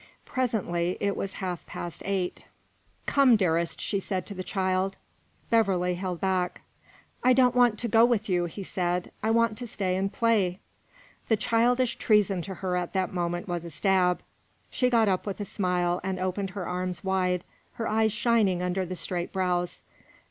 Presently it was half past eight. "Come, dearest," she said to the child. Beverley held back. "I don't want to go with you," he said. "I want to stay and play." This childish treason to her at that moment was a stab. She got up with a smile, and opened her arms wide, her eyes shining under her straight brows.